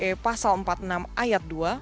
berdasarkan uu ite pasal empat puluh enam ayat dua